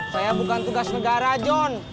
saya bukan tugas negara john